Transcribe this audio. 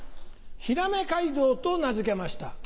ヒラメ街道と名付けました。